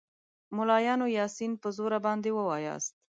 ملایانو یاسین په زوره باندې ووایاست.